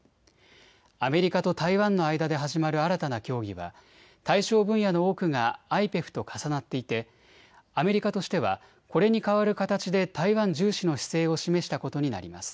アメリカと台湾の間で始まる新たな協議は対象分野の多くがＩＰＥＦと重なっていてアメリカとしてはこれに代わる形で台湾重視の姿勢を示したことになります。